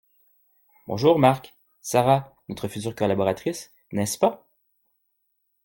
bonjour Marc, Sara, notre future collaboratrice – n’est-ce pas?